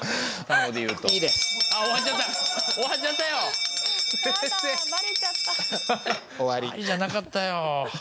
「愛」じゃなかったよ。